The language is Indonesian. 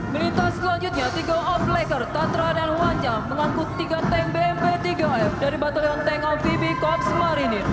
militas selanjutnya tiga oplaker tatra dan huanca mengangkut tiga tank bmp tiga f dari batalion tengah vb korps marinir